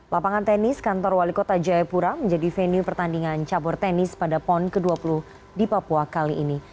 lapangan tenis kantor wali kota jayapura menjadi venue pertandingan cabur tenis pada pon ke dua puluh di papua kali ini